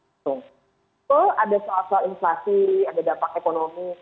itu ada soal soal inflasi ada dampak ekonomi